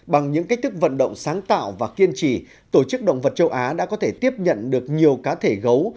bằng những cách thức vận động sáng tạo và kiên trì tổ chức động vật châu á đã có thể tiếp nhận được nhiều cá thể gấu